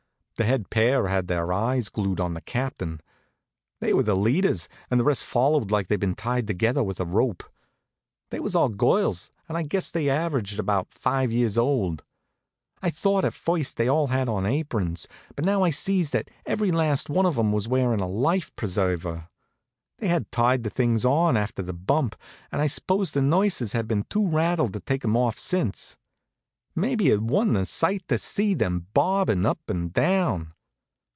The head pair had their eyes glued on the Captain. They were the leaders, and the rest followed like they'd been tied together with a rope. They was all girls and I guess they'd average about five years old. I thought at first they all had on aprons, but now I sees that every last one of 'em was wearin' a life preserver. They'd tied the things on after the bump, and I suppose the nurses had been too rattled to take 'em off since. Maybe it wa'n't a sight to see them bobbin' up and down!